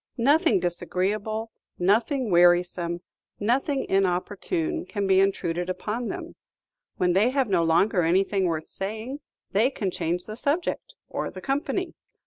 Nothing disagreeable, nothing wearisome, nothing inopportune, can be intruded upon them. When they have no longer anything worth saying, they can change the subject or the company.